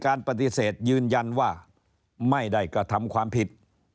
การปฏิเสธยืนยันว่าไม่ได้กระทำความผิด